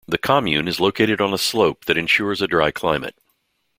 The commune is located on a slope that ensures a dry climate.